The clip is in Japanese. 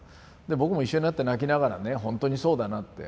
僕も一緒になって泣きながらね「ほんとにそうだな」って。